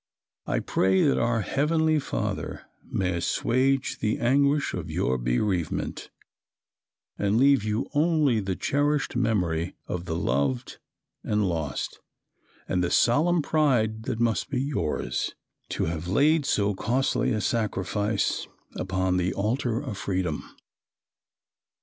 I pray that our Heavenly Father may assuage the anguish of your bereavement, and leave you only the cherished memory of the loved and lost, and the solemn pride that must be yours, to have laid so costly a sacrifice upon the altar of Freedom."